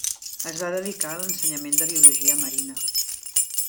Es va dedicar a l'ensenyament de Biologia marina.